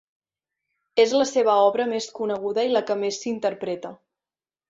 És la seva obra més coneguda i la que més s'interpreta.